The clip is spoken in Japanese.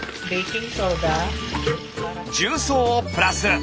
重曹をプラス。